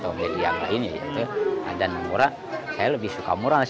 disuruh pilih antara bikin ikan par atau yang lainnya dan murah saya lebih suka murah